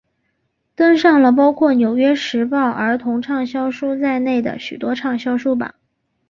登上了包括纽约时报儿童畅销书在内的许多畅销书榜。